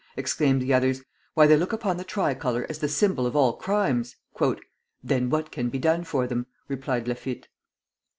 exclaimed the others; "why, they look upon the tricolor as the symbol of all crimes!" "Then what can be done for them?" replied Laffitte.